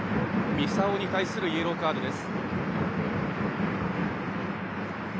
三竿に対するイエローカードです。